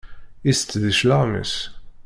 Itett di cclaɣem-is.